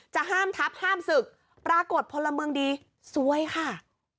ห้ามทับห้ามศึกปรากฏพลเมืองดีซวยค่ะ